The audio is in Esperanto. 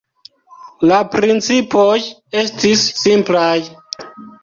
La principoj estis simplaj.